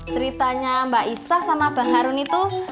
ceritanya mbak isa sama bang harun itu